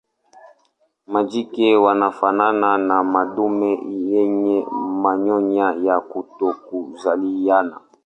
Majike wanafanana na madume yenye manyoya ya kutokuzaliana.